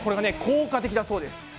効果的だそうです。